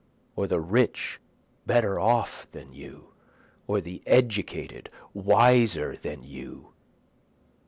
Or the rich better off than you? or the educated wiser than you?